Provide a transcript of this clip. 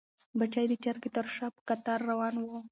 بچي د چرګې تر شا په کتار روان وو.